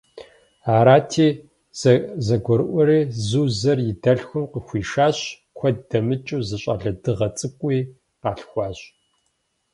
Арати, зэгурыӏуэри Зузэр и дэлъхум къыхуишащ, куэд дэмыкӏыу зы щӏалэ дыгъэ цӏыкӏуи къалъхуащ.